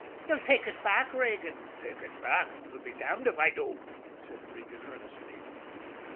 Yez'll take ut back, Regan?" "Take it back? I'll be damned if I do!" said Regan earnestly.